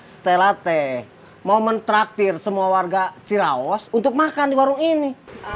stella teh mau mentraktir semua warga ciraos untuk makan di warung ini